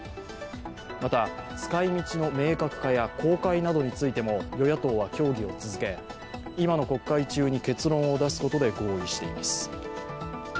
また、使い道の明確化や公開などについても、与野党は協議を続け、今の国会中に結論を出すことで合意しています。